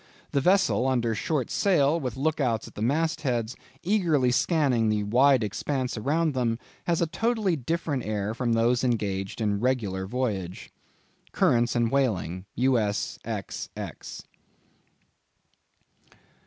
The vessel under short sail, with look outs at the mast heads, eagerly scanning the wide expanse around them, has a totally different air from those engaged in regular voyage." —_Currents and Whaling. U.S. Ex.